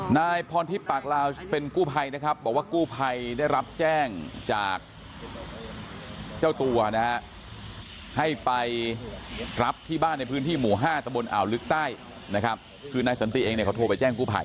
นายพรทิพย์ปากลาวเป็นกู้ภัยนะครับบอกว่ากู้ภัยได้รับแจ้งจากเจ้าตัวนะฮะให้ไปรับที่บ้านในพื้นที่หมู่๕ตะบนอ่าวลึกใต้นะครับคือนายสันติเองเนี่ยเขาโทรไปแจ้งกู้ภัย